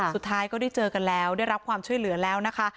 สุดท้ายก็ได้เจอกันแล้วได้รับความช่วยเหลือแล้วนะคะ